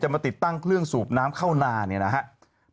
มาติดตั้งเครื่องสูบน้ำเข้านาเนี่ยนะครับ